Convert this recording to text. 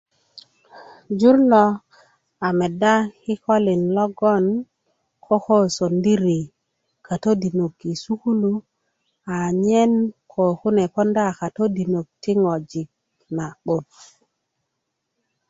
jur lo a meda kikölin logon ko ko sondiri katodinok i sukulu anyen ko kune ponda a katodinok ti ŋojik na'but